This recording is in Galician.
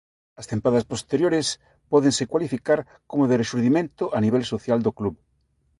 As tempadas posteriores pódense cualificar como de rexurdimento a nivel social do club.